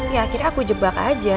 ya akhirnya aku jebak aja